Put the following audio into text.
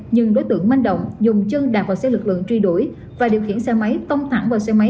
nhưng đối tượng manh động dùng chân đạp vào xe lực lượng truy đuổi và điều khiển xe máy tông thẳng vào xe máy